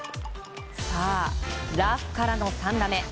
ラフからの３打目。